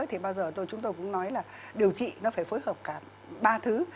thì bao giờ tôi chúng tôi cũng nói là điều trị nó phải phối hợp cả ba thứ